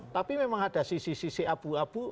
tapi memang ada sisi sisi abu abu